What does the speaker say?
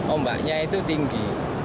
ombaknya itu tinggi